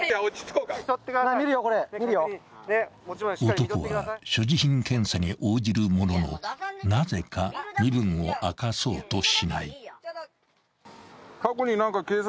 ［男は所持品検査に応じるもののなぜか身分を明かそうとしない］